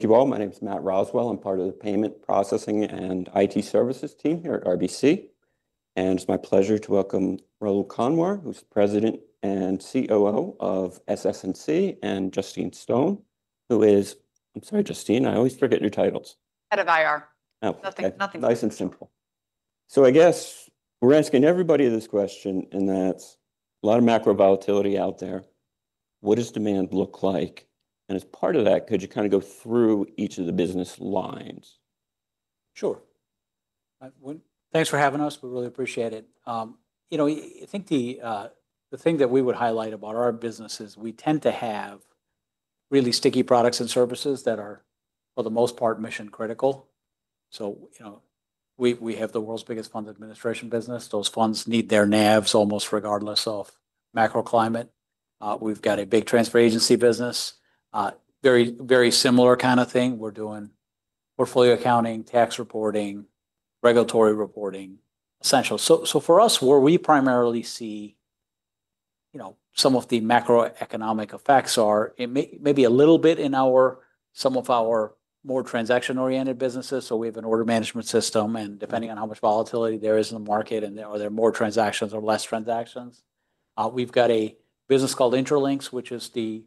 Hello. My name is Matt Roswell. I'm part of the Payment Processing and IT Services team here at RBC. It's my pleasure to welcome Rahul Kanwar, who's President and COO of SS&C, and Justine Stone, who is—I'm sorry, Justine, I always forget your titles. Head of Investor Relations. Nothing. Nothing. Nothing. Nice and simple. I guess we're asking everybody this question, and that's a lot of macro volatility out there. What does demand look like? As part of that, could you kind of go through each of the business lines? Sure. Thanks for having us. We really appreciate it. You know, I think the thing that we would highlight about our business is we tend to have really sticky products and services that are, for the most part, mission critical. You know, we have the world's biggest fund administration business. Those funds need their NAVs almost regardless of macro climate. We've got a big transfer agency business, very, very similar kind of thing. We're doing portfolio accounting, tax reporting, regulatory reporting, essential. For us, where we primarily see, you know, some of the macroeconomic effects are maybe a little bit in our—some of our more transaction-oriented businesses. We have an order management system, and depending on how much volatility there is in the market and are there more transactions or less transactions, we've got a business called Intralinks, which is the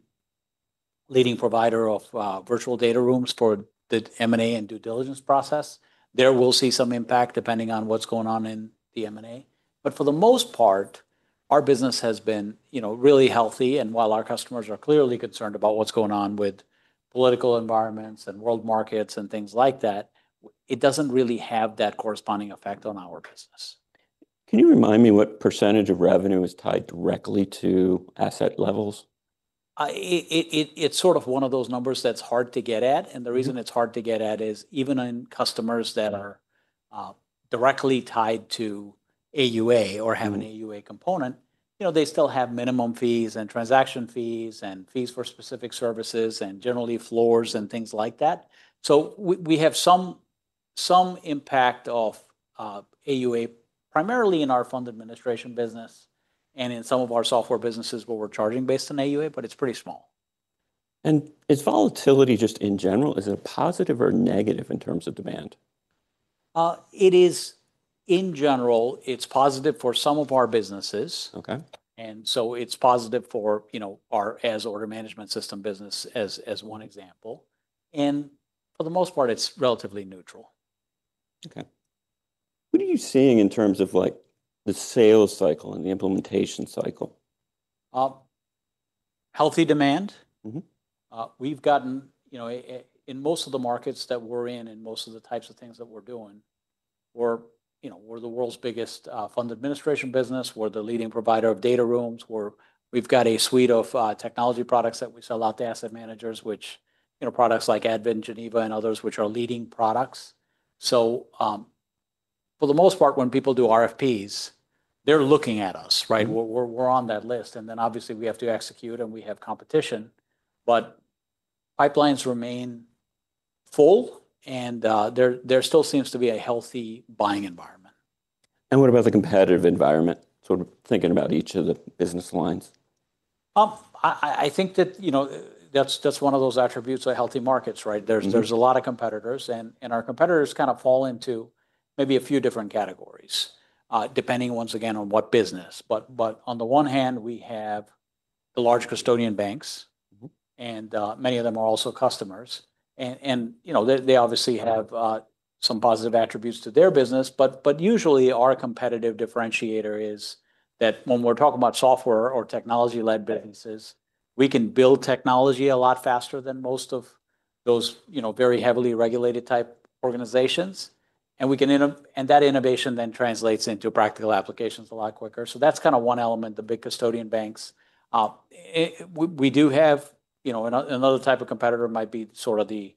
leading provider of virtual data rooms for the M&A and due diligence process. There we'll see some impact depending on what's going on in the M&A. For the most part, our business has been, you know, really healthy. While our customers are clearly concerned about what's going on with political environments and world markets and things like that, it doesn't really have that corresponding effect on our business. Can you remind me what percentage of revenue is tied directly to asset levels? It's sort of one of those numbers that's hard to get at. The reason it's hard to get at is even in customers that are directly tied to AUA or have an AUA component, you know, they still have minimum fees and transaction fees and fees for specific services and generally floors and things like that. We have some impact of AUA primarily in our fund administration business and in some of our software businesses where we're charging based on AUA, but it's pretty small. Is volatility just in general, is it a positive or negative in terms of demand? It is, in general, it's positive for some of our businesses. Okay. It is positive for, you know, our order management system business as one example. For the most part, it is relatively neutral. Okay. What are you seeing in terms of, like, the sales cycle and the implementation cycle? Healthy demand. We've gotten, you know, in most of the markets that we're in and most of the types of things that we're doing, we're, you know, we're the world's biggest fund administration business. We're the leading provider of data rooms. We've got a suite of technology products that we sell out to asset managers, which, you know, products like Admin Geneva and others, which are leading products. For the most part, when people do RFPs, they're looking at us, right? We're on that list. Obviously we have to execute and we have competition, but pipelines remain full and there still seems to be a healthy buying environment. What about the competitive environment? Sort of thinking about each of the business lines. I think that, you know, that's one of those attributes of healthy markets, right? There's a lot of competitors, and our competitors kind of fall into maybe a few different categories, depending once again on what business. On the one hand, we have the large custodian banks, and many of them are also customers. You know, they obviously have some positive attributes to their business. Usually our competitive differentiator is that when we're talking about software or technology-led businesses, we can build technology a lot faster than most of those, you know, very heavily regulated type organizations. We can—and that innovation then translates into practical applications a lot quicker. That's kind of one element, the big custodian banks. We do have, you know, another type of competitor might be sort of the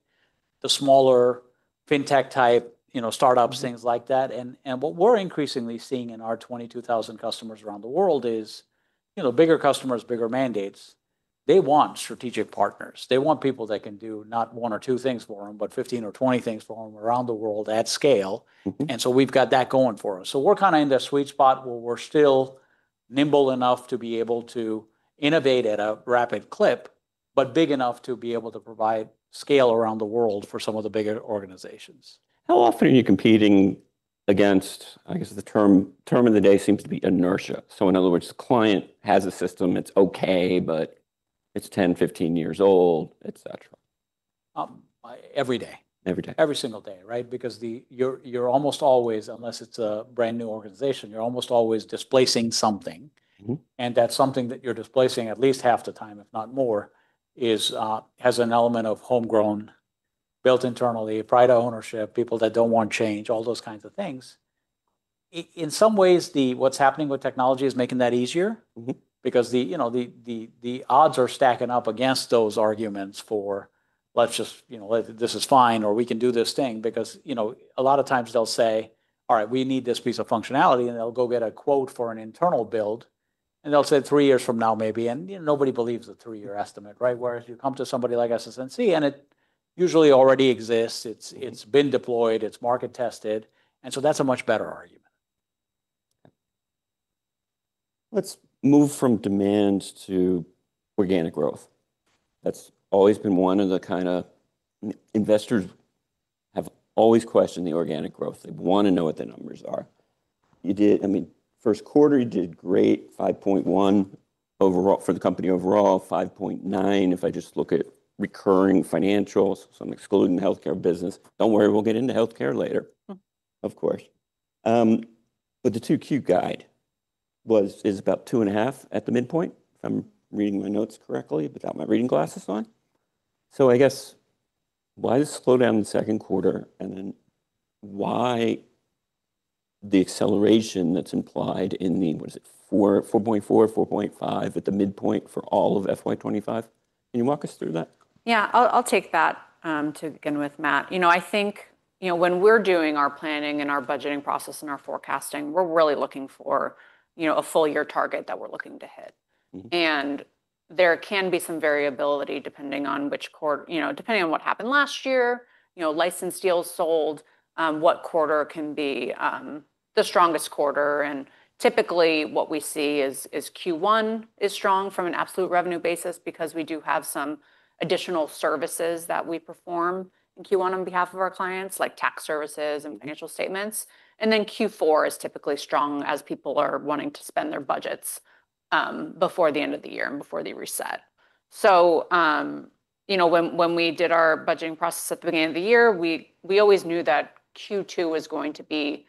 smaller fintech type, you know, startups, things like that. What we're increasingly seeing in our 22,000 customers around the world is, you know, bigger customers, bigger mandates. They want strategic partners. They want people that can do not one or two things for them, but 15 or 20 things for them around the world at scale. We have that going for us. We're kind of in that sweet spot where we're still nimble enough to be able to innovate at a rapid clip, but big enough to be able to provide scale around the world for some of the bigger organizations. How often are you competing against, I guess the term of the day seems to be inertia? In other words, the client has a system, it's okay, but it's 10, 15 years old, etc. Every day. Every day. Every single day, right? Because you're almost always, unless it's a brand new organization, you're almost always displacing something. That something that you're displacing at least half the time, if not more, has an element of homegrown, built internally, pride of ownership, people that don't want change, all those kinds of things. In some ways, what's happening with technology is making that easier because the, you know, the odds are stacking up against those arguments for, let's just, you know, this is fine or we can do this thing because, you know, a lot of times they'll say, all right, we need this piece of functionality and they'll go get a quote for an internal build and they'll say three years from now maybe. Nobody believes the three-year estimate, right? Whereas you come to somebody like SS&C and it usually already exists. It's been deployed, it's market tested. That's a much better argument. Let's move from demand to organic growth. That's always been one of the kind of investors have always questioned the organic growth. They want to know what the numbers are. You did, I mean, first quarter you did great, 5.1% overall for the company overall, 5.9% if I just look at recurring financials, so I'm excluding the healthcare business. Don't worry, we'll get into healthcare later, of course. The 2Q guide was, is about 2.5% at the midpoint, if I'm reading my notes correctly, without my reading glasses on. I guess why the slowdown in the second quarter and then why the acceleration that's implied in the, what is it, 4.4%, 4.5% at the midpoint for all of fiscal year 2025? Can you walk us through that? Yeah, I'll take that to begin with, Matt. You know, I think, you know, when we're doing our planning and our budgeting process and our forecasting, we're really looking for, you know, a full year target that we're looking to hit. There can be some variability depending on which quarter, you know, depending on what happened last year, you know, license deals sold, what quarter can be the strongest quarter. Typically what we see is Q1 is strong from an absolute revenue basis because we do have some additional services that we perform in Q1 on behalf of our clients, like tax services and financial statements. Q4 is typically strong as people are wanting to spend their budgets before the end of the year and before they reset. You know, when we did our budgeting process at the beginning of the year, we always knew that Q2 was going to be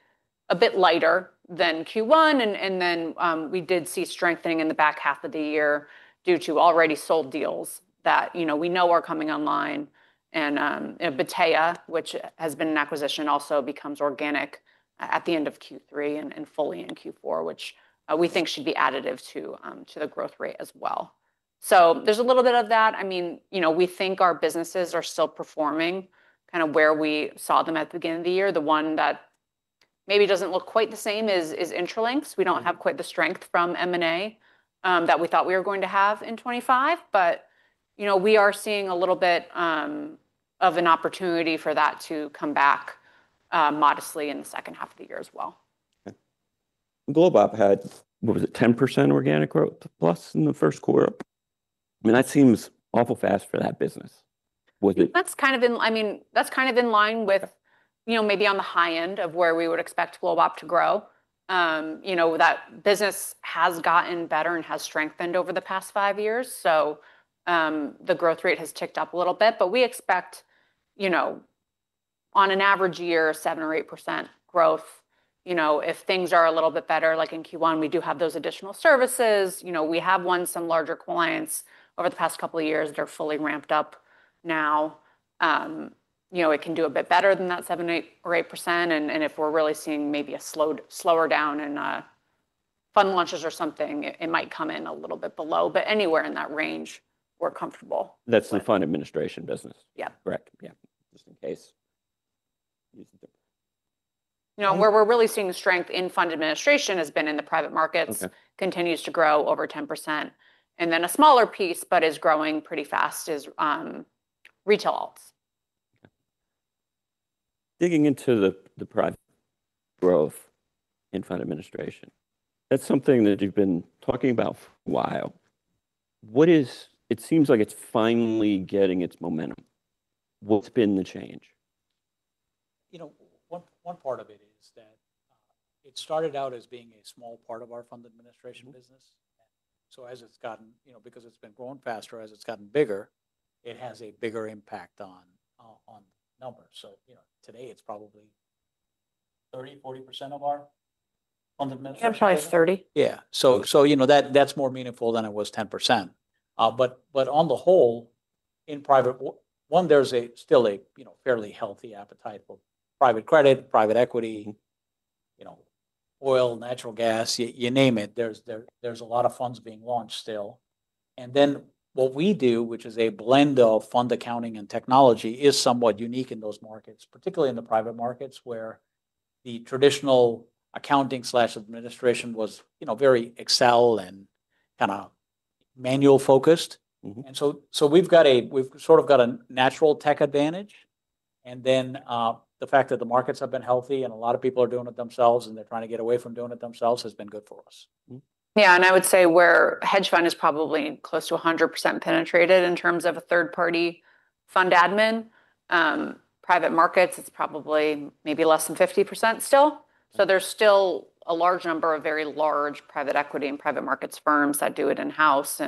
a bit lighter than Q1. We did see strengthening in the back half of the year due to already sold deals that, you know, we know are coming online. Pathia, which has been an acquisition, also becomes organic at the end of Q3 and fully in Q4, which we think should be additive to the growth rate as well. There is a little bit of that. I mean, you know, we think our businesses are still performing kind of where we saw them at the beginning of the year. The one that maybe does not look quite the same is Intralinks. We do not have quite the strength from M&A that we thought we were going to have in 2025. You know, we are seeing a little bit of an opportunity for that to come back modestly in the second half of the year as well. GlobOp had, what was it, 10% organic growth plus in the first quarter. I mean, that seems awful fast for that business. That's kind of in, I mean, that's kind of in line with, you know, maybe on the high end of where we would expect GlobOp to grow. You know, that business has gotten better and has strengthened over the past five years. The growth rate has ticked up a little bit. We expect, you know, on an average year, 7-8% growth. You know, if things are a little bit better, like in Q1, we do have those additional services. You know, we have won some larger clients over the past couple of years that are fully ramped up now. You know, it can do a bit better than that 7-8%. If we're really seeing maybe a slowdown in fund launches or something, it might come in a little bit below. Anywhere in that range, we're comfortable. That's the fund administration business. Yeah. Correct? Yeah. Just in case. No, where we're really seeing strength in fund administration has been in the private markets, continues to grow over 10%. And then a smaller piece, but is growing pretty fast, is retail alts. Digging into the private growth in fund administration, that's something that you've been talking about for a while. What is, it seems like it's finally getting its momentum. What's been the change? You know, one part of it is that it started out as being a small part of our fund administration business. So as it's gotten, you know, because it's been growing faster, as it's gotten bigger, it has a bigger impact on numbers. So, you know, today it's probably 30-40% of our fund administration. Yeah, probably 30. Yeah. So, you know, that's more meaningful than it was 10%. On the whole, in private, one, there's still a, you know, fairly healthy appetite for private credit, private equity, you know, oil, natural gas, you name it. There's a lot of funds being launched still. What we do, which is a blend of fund accounting and technology, is somewhat unique in those markets, particularly in the private markets where the traditional accounting slash administration was, you know, very Excel and kind of manual focused. We've sort of got a natural tech advantage. The fact that the markets have been healthy and a lot of people are doing it themselves and they're trying to get away from doing it themselves has been good for us. Yeah. I would say where hedge fund is probably close to 100% penetrated in terms of a third-party fund admin, private markets, it's probably maybe less than 50% still. There is still a large number of very large private equity and private markets firms that do it in-house.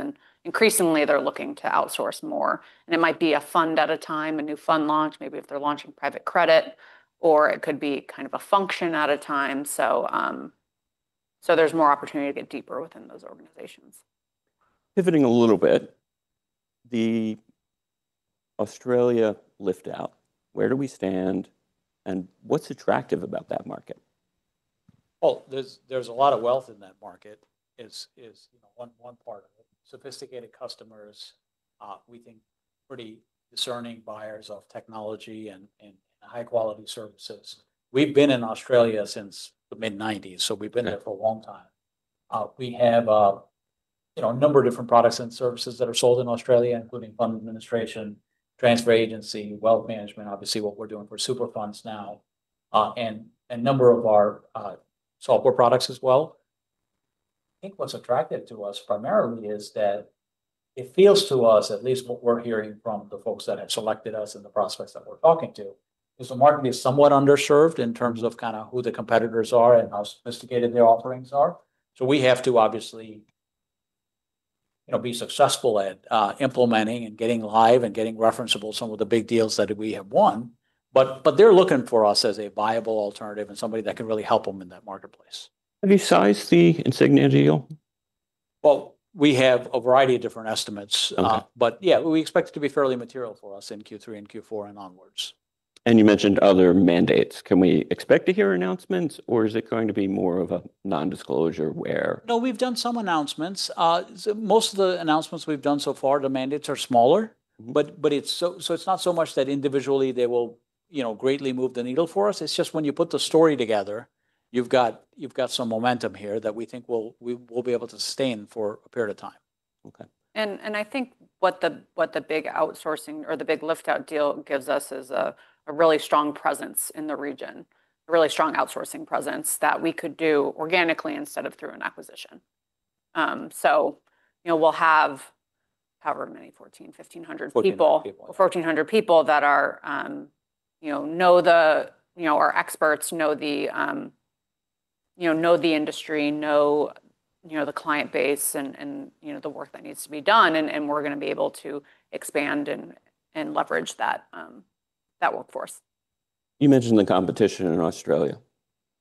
Increasingly, they're looking to outsource more. It might be a fund at a time, a new fund launch, maybe if they're launching private credit, or it could be kind of a function at a time. There is more opportunity to get deeper within those organizations. Pivoting a little bit, the Australia lift-out, where do we stand and what's attractive about that market? There is a lot of wealth in that market, is, you know, one part of it. Sophisticated customers, we think pretty discerning buyers of technology and high-quality services. We have been in Australia since the mid-1990s, so we have been there for a long time. We have, you know, a number of different products and services that are sold in Australia, including fund administration, transfer agency, wealth management, obviously what we are doing for super funds now, and a number of our software products as well. I think what is attractive to us primarily is that it feels to us, at least what we are hearing from the folks that have selected us and the prospects that we are talking to, is the market is somewhat underserved in terms of kind of who the competitors are and how sophisticated their offerings are. We have to obviously, you know, be successful at implementing and getting live and getting referenceable some of the big deals that we have won. But they're looking for us as a viable alternative and somebody that can really help them in that marketplace. Besides the Insignia deal? We have a variety of different estimates. But yeah, we expect it to be fairly material for us in Q3 and Q4 and onwards. You mentioned other mandates. Can we expect to hear announcements, or is it going to be more of a non-disclosure where? No, we've done some announcements. Most of the announcements we've done so far, the mandates are smaller. It is not so much that individually they will, you know, greatly move the needle for us. It is just when you put the story together, you've got some momentum here that we think we'll be able to sustain for a period of time. I think what the big outsourcing or the big liftout deal gives us is a really strong presence in the region, a really strong outsourcing presence that we could do organically instead of through an acquisition. You know, we'll have, however many, 1,400, 1,500 people, 1,400 people that are, you know, our experts, know the, you know, know the industry, know, you know, the client base and, you know, the work that needs to be done. We're going to be able to expand and leverage that workforce. You mentioned the competition in Australia.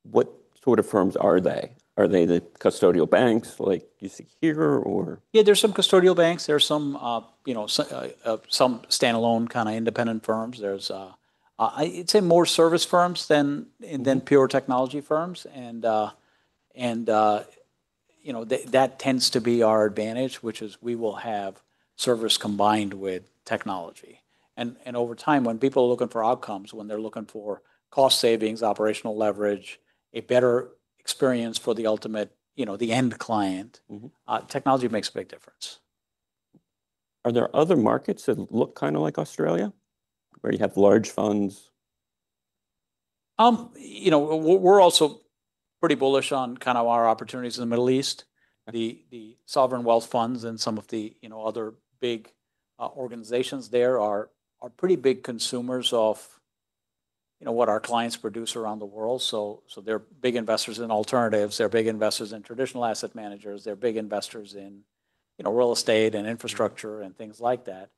What sort of firms are they? Are they the custodial banks like you see here or? Yeah, there's some custodial banks. There's some, you know, some standalone kind of independent firms. There's, I'd say more service firms than pure technology firms. You know, that tends to be our advantage, which is we will have service combined with technology. Over time, when people are looking for outcomes, when they're looking for cost savings, operational leverage, a better experience for the ultimate, you know, the end client, technology makes a big difference. Are there other markets that look kind of like Australia where you have large funds? You know, we're also pretty bullish on kind of our opportunities in the Middle East. The sovereign wealth funds and some of the, you know, other big organizations there are pretty big consumers of, you know, what our clients produce around the world. They're big investors in alternatives. They're big investors in traditional asset managers. They're big investors in, you know, real estate and infrastructure and things like that.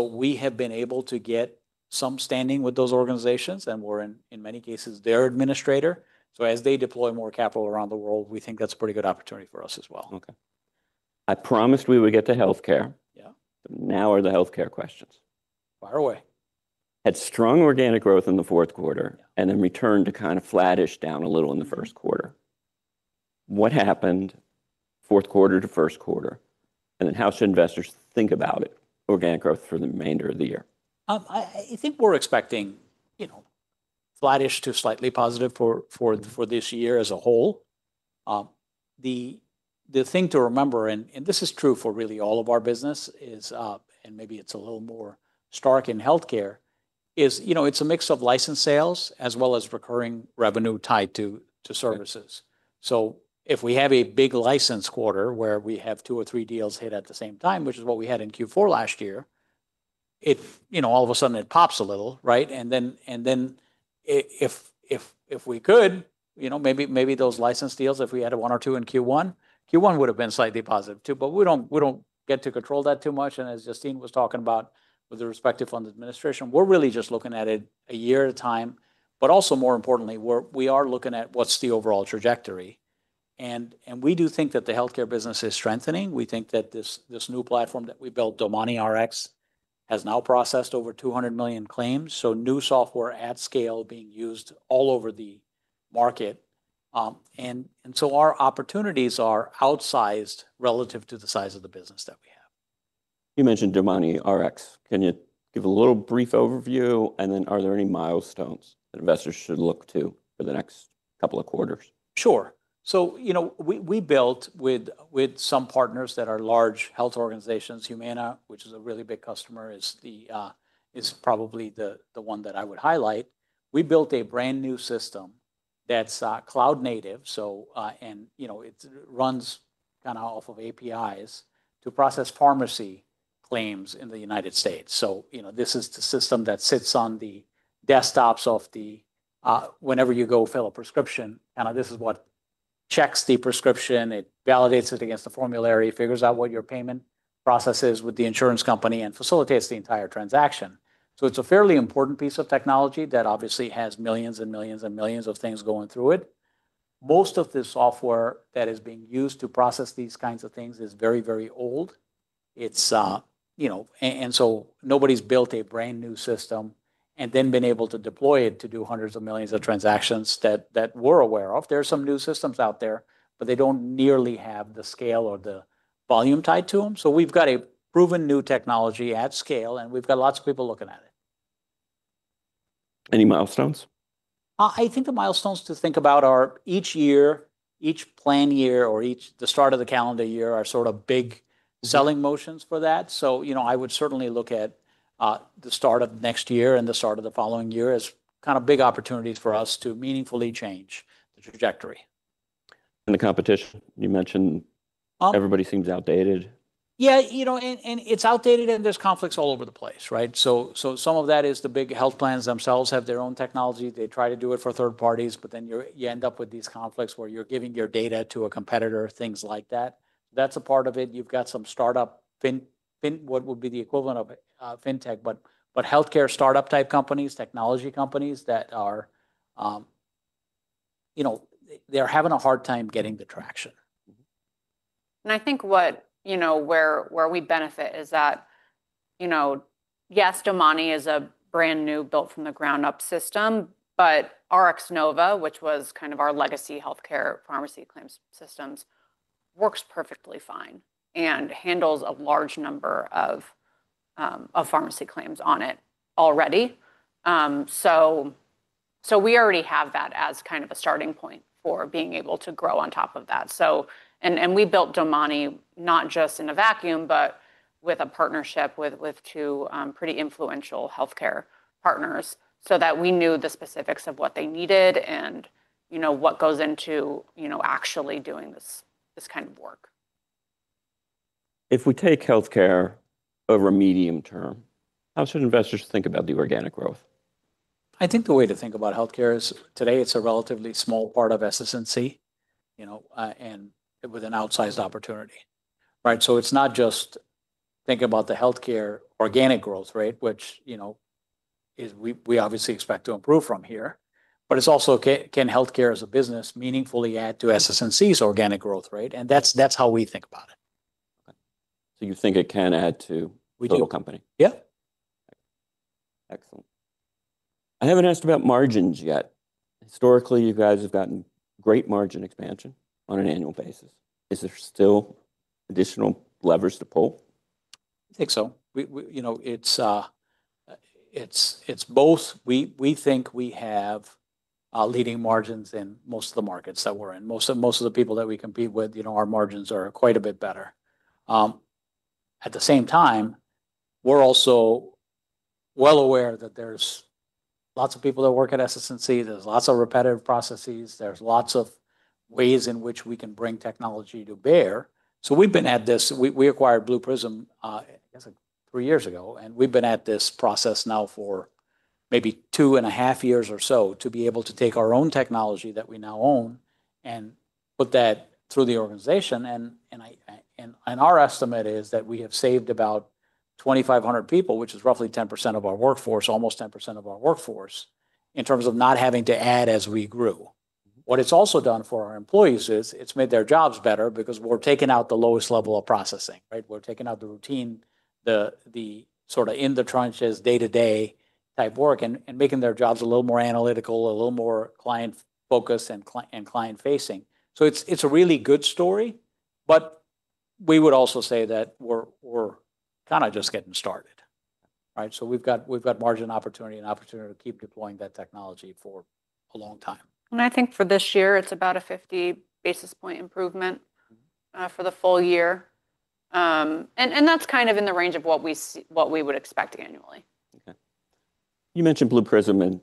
We have been able to get some standing with those organizations and we're in many cases their administrator. As they deploy more capital around the world, we think that's a pretty good opportunity for us as well. Okay. I promised we would get to healthcare. Yeah. Now are the healthcare questions. Fire away. Had strong organic growth in the fourth quarter and then returned to kind of flattish down a little in the first quarter. What happened fourth quarter to first quarter? How should investors think about it, organic growth for the remainder of the year? I think we're expecting, you know, flattish to slightly positive for this year as a whole. The thing to remember, and this is true for really all of our business is, and maybe it's a little more stark in healthcare, is, you know, it's a mix of license sales as well as recurring revenue tied to services. If we have a big license quarter where we have two or three deals hit at the same time, which is what we had in Q4 last year, it, you know, all of a sudden it pops a little, right? If we could, you know, maybe those license deals, if we had one or two in Q1, Q1 would have been slightly positive too. We don't get to control that too much. As Justine was talking about with the respective fund administration, we're really just looking at it a year at a time. More importantly, we are looking at what's the overall trajectory. We do think that the healthcare business is strengthening. We think that this new platform that we built, Domani Rx, has now processed over 200 million claims. New software at scale is being used all over the market. Our opportunities are outsized relative to the size of the business that we have. You mentioned Domani Rx. Can you give a little brief overview? Are there any milestones that investors should look to for the next couple of quarters? Sure. So, you know, we built with some partners that are large health organizations, Humana, which is a really big customer, is probably the one that I would highlight. We built a brand new system that's cloud native. You know, it runs kind of off of APIs to process pharmacy claims in the United States. You know, this is the system that sits on the desktops of the, whenever you go fill a prescription, kind of this is what checks the prescription, it validates it against the formulary, figures out what your payment process is with the insurance company and facilitates the entire transaction. It is a fairly important piece of technology that obviously has millions and millions and millions of things going through it. Most of the software that is being used to process these kinds of things is very, very old. It's, you know, and so nobody's built a brand new system and then been able to deploy it to do hundreds of millions of transactions that we're aware of. There are some new systems out there, but they don't nearly have the scale or the volume tied to them. We've got a proven new technology at scale and we've got lots of people looking at it. Any milestones? I think the milestones to think about are each year, each plan year or each the start of the calendar year are sort of big selling motions for that. You know, I would certainly look at the start of next year and the start of the following year as kind of big opportunities for us to meaningfully change the trajectory. The competition, you mentioned everybody seems outdated. Yeah, you know, and it's outdated and there's conflicts all over the place, right? Some of that is the big health plans themselves have their own technology. They try to do it for third parties, but then you end up with these conflicts where you're giving your data to a competitor, things like that. That's a part of it. You've got some startup, what would be the equivalent of fintech, but healthcare startup type companies, technology companies that are, you know, they're having a hard time getting the traction. I think what, you know, where we benefit is that, you know, yes, Domani is a brand new built from the ground up system, but RxNova, which was kind of our legacy healthcare pharmacy claims systems, works perfectly fine and handles a large number of pharmacy claims on it already. We already have that as kind of a starting point for being able to grow on top of that. We built Domani not just in a vacuum, but with a partnership with two pretty influential healthcare partners so that we knew the specifics of what they needed and, you know, what goes into, you know, actually doing this kind of work. If we take healthcare over a medium term, how should investors think about the organic growth? I think the way to think about healthcare is today it's a relatively small part of efficiency, you know, and with an outsized opportunity, right? So it's not just think about the healthcare organic growth, right? Which, you know, we obviously expect to improve from here, but it's also can healthcare as a business meaningfully add to SS&C's organic growth, right? And that's how we think about it. You think it can add to the whole company? Yeah. Excellent. I haven't asked about margins yet. Historically, you guys have gotten great margin expansion on an annual basis. Is there still additional levers to pull? I think so. You know, it's both. We think we have leading margins in most of the markets that we're in. Most of the people that we compete with, you know, our margins are quite a bit better. At the same time, we're also well aware that there's lots of people that work at SS&C. There's lots of repetitive processes. There's lots of ways in which we can bring technology to bear. We've been at this, we acquired Blue Prism, I guess, three years ago, and we've been at this process now for maybe two and a half years or so to be able to take our own technology that we now own and put that through the organization. Our estimate is that we have saved about 2,500 people, which is roughly 10% of our workforce, almost 10% of our workforce in terms of not having to add as we grew. What it has also done for our employees is it has made their jobs better because we are taking out the lowest level of processing, right? We are taking out the routine, the sort of in the trenches day-to-day type work and making their jobs a little more analytical, a little more client-focused and client-facing. It is a really good story, but we would also say that we are kind of just getting started, right? We have got margin opportunity and opportunity to keep deploying that technology for a long time. I think for this year, it's about a 50 basis point improvement for the full year. That's kind of in the range of what we would expect annually. Okay. You mentioned Blue Prism and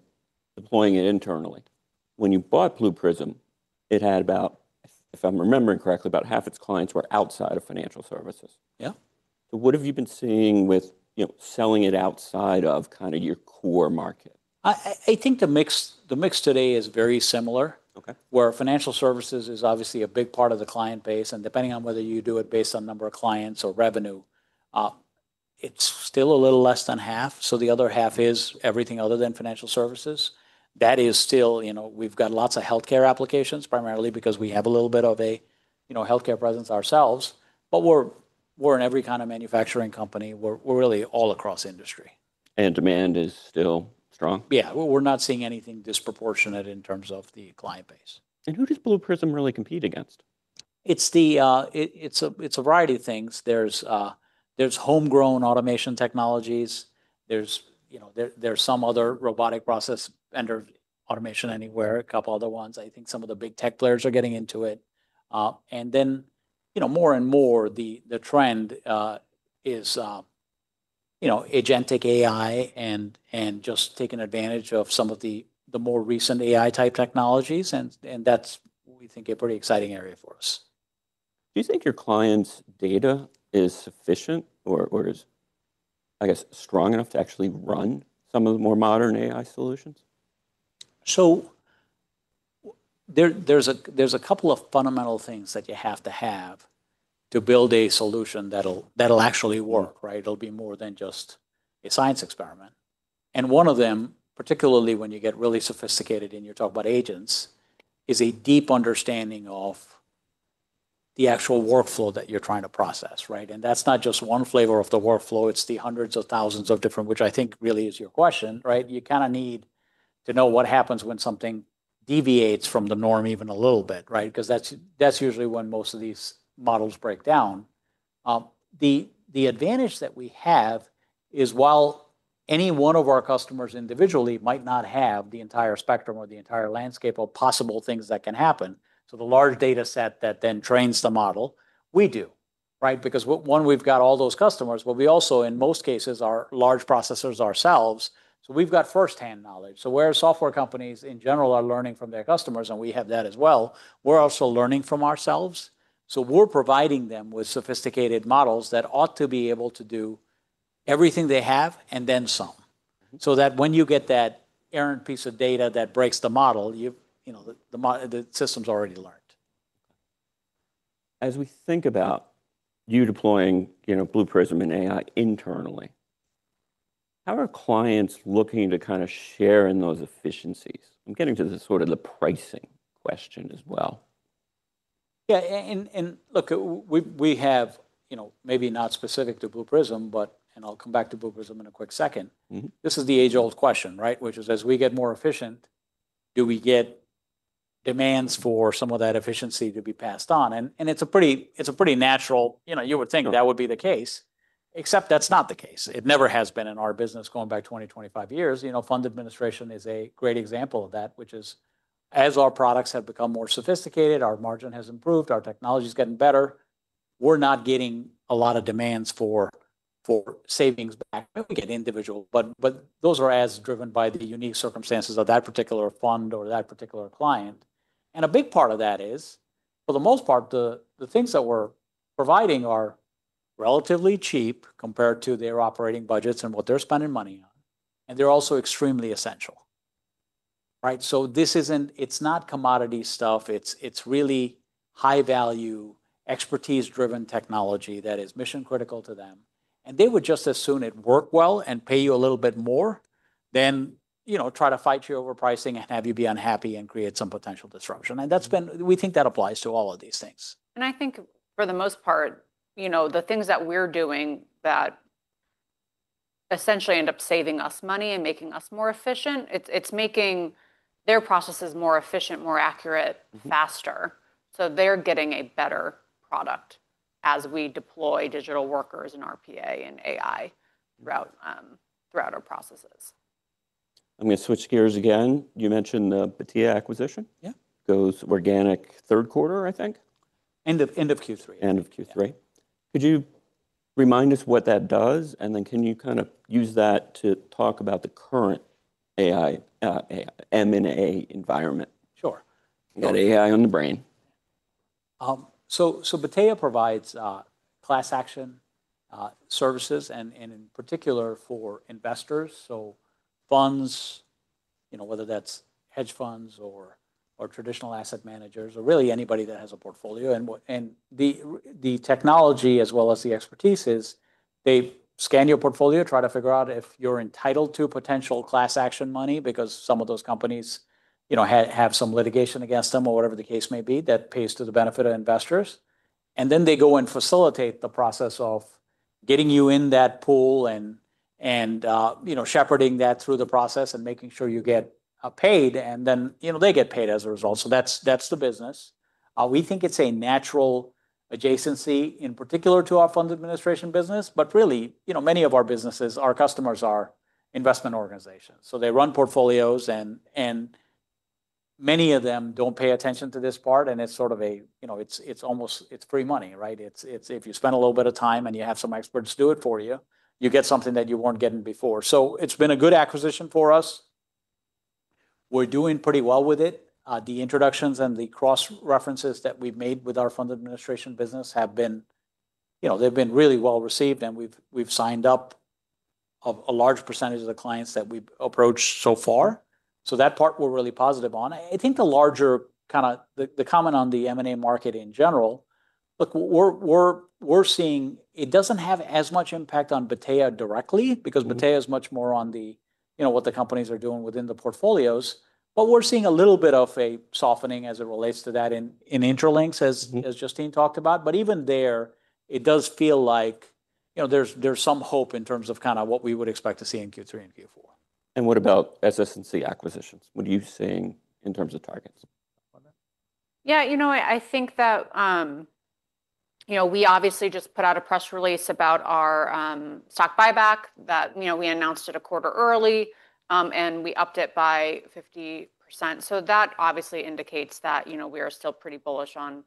deploying it internally. When you bought Blue Prism, it had about, if I'm remembering correctly, about half its clients were outside of financial services. Yeah. What have you been seeing with, you know, selling it outside of kind of your core market? I think the mix today is very similar where financial services is obviously a big part of the client base. Depending on whether you do it based on number of clients or revenue, it's still a little less than half. The other half is everything other than financial services. That is still, you know, we've got lots of healthcare applications primarily because we have a little bit of a, you know, healthcare presence ourselves. We're in every kind of manufacturing company. We're really all across industry. Demand is still strong? Yeah. We're not seeing anything disproportionate in terms of the client base. Who does Blue Prism really compete against? It's a variety of things. There's homegrown automation technologies. There's some other robotic process vendors, Automation Anywhere, a couple other ones. I think some of the big tech players are getting into it. You know, more and more the trend is, you know, agentic AI and just taking advantage of some of the more recent AI-type technologies. That's, we think, a pretty exciting area for us. Do you think your client's data is sufficient or is, I guess, strong enough to actually run some of the more modern AI solutions? There are a couple of fundamental things that you have to have to build a solution that'll actually work, right? It'll be more than just a science experiment. One of them, particularly when you get really sophisticated and you talk about agents, is a deep understanding of the actual workflow that you're trying to process, right? That's not just one flavor of the workflow. It's the hundreds of thousands of different, which I think really is your question, right? You kind of need to know what happens when something deviates from the norm even a little bit, right? Because that's usually when most of these models break down. The advantage that we have is while any one of our customers individually might not have the entire spectrum or the entire landscape of possible things that can happen, so the large data set that then trains the model, we do, right? Because one, we've got all those customers, but we also, in most cases, are large processors ourselves. We've got firsthand knowledge. Where software companies in general are learning from their customers, and we have that as well, we're also learning from ourselves. We're providing them with sophisticated models that ought to be able to do everything they have and then some. That way, when you get that errant piece of data that breaks the model, you know, the system's already learned. As we think about you deploying, you know, Blue Prism and AI internally, how are clients looking to kind of share in those efficiencies? I'm getting to the sort of the pricing question as well. Yeah. Look, we have, you know, maybe not specific to Blue Prism, but, and I'll come back to Blue Prism in a quick second, this is the age-old question, right? Which is as we get more efficient, do we get demands for some of that efficiency to be passed on? It's a pretty natural, you know, you would think that would be the case, except that's not the case. It never has been in our business going back 20, 25 years. You know, fund administration is a great example of that, which is as our products have become more sophisticated, our margin has improved, our technology is getting better, we're not getting a lot of demands for savings back. We get individual, but those are as driven by the unique circumstances of that particular fund or that particular client. A big part of that is, for the most part, the things that we're providing are relatively cheap compared to their operating budgets and what they're spending money on. They're also extremely essential, right? This isn't, it's not commodity stuff. It's really high-value, expertise-driven technology that is mission-critical to them. They would just as soon work well and pay you a little bit more than, you know, try to fight your overpricing and have you be unhappy and create some potential disruption. That's been, we think that applies to all of these things. I think for the most part, you know, the things that we're doing that essentially end up saving us money and making us more efficient, it's making their processes more efficient, more accurate, faster. They are getting a better product as we deploy digital workers and RPA and AI throughout our processes. I'm going to switch gears again. You mentioned the Pathia acquisition. Yeah. Goes organic third quarter, I think. End of Q3. End of Q3. Could you remind us what that does? Could you kind of use that to talk about the current AI, M&A environment? Sure. Got AI on the brain. Pathia provides class action services and in particular for investors. Funds, you know, whether that's hedge funds or traditional asset managers or really anybody that has a portfolio. The technology as well as the expertise is they scan your portfolio, try to figure out if you're entitled to potential class action money because some of those companies, you know, have some litigation against them or whatever the case may be that pays to the benefit of investors. They go and facilitate the process of getting you in that pool and, you know, shepherding that through the process and making sure you get paid. You know, they get paid as a result. That's the business. We think it's a natural adjacency in particular to our fund administration business, but really, you know, many of our businesses, our customers are investment organizations. They run portfolios and many of them do not pay attention to this part. It is sort of a, you know, it is almost, it is free money, right? If you spend a little bit of time and you have some experts do it for you, you get something that you were not getting before. It has been a good acquisition for us. We are doing pretty well with it. The introductions and the cross-references that we have made with our fund administration business have been, you know, they have been really well received and we have signed up a large percentage of the clients that we have approached so far. That part we are really positive on. I think the larger kind of the comment on the M&A market in general, look, we're seeing it doesn't have as much impact on Pathia directly because Pathia is much more on the, you know, what the companies are doing within the portfolios. We're seeing a little bit of a softening as it relates to that in Intralinks as Justine talked about. Even there, it does feel like, you know, there's some hope in terms of kind of what we would expect to see in Q3 and Q4. What about SS&C acquisitions? What are you seeing in terms of targets? Yeah. You know, I think that, you know, we obviously just put out a press release about our stock buyback that, you know, we announced it a quarter early and we upped it by 50%. That obviously indicates that, you know, we are still pretty bullish on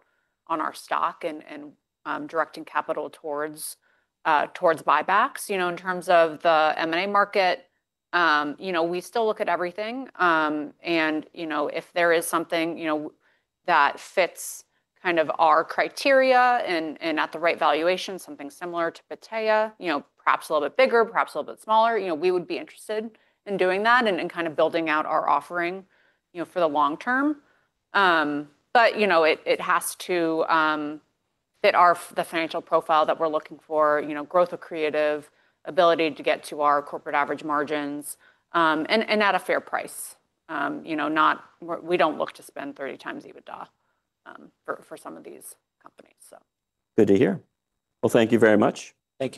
our stock and directing capital towards buybacks. You know, in terms of the M&A market, you know, we still look at everything. If there is something, you know, that fits kind of our criteria and at the right valuation, something similar to Pathia, you know, perhaps a little bit bigger, perhaps a little bit smaller, you know, we would be interested in doing that and kind of building out our offering, you know, for the long term. You know, it has to fit the financial profile that we're looking for, you know, growth accretive, ability to get to our corporate average margins and at a fair price. You know, we don't look to spend 30 times EBITDA for some of these companies. Good to hear. Thank you very much. Thank you.